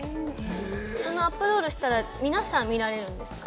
◆そのアップロードしたら、皆さん、見られるんですか。